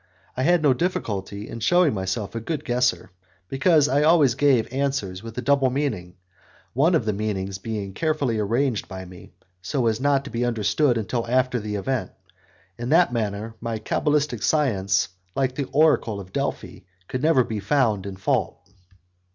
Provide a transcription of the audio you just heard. I had no difficulty in shewing myself a good guesser, because I always gave answers with a double meaning, one of the meanings being carefully arranged by me, so as not to be understood until after the event; in that manner, my cabalistic science, like the oracle of Delphi, could never be found in fault.